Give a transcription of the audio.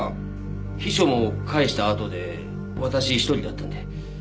秘書も帰したあとで私一人だったんで。